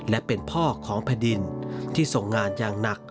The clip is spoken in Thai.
และเป็นพ่อของแผ่นดินที่ทรงงานอย่างหนัก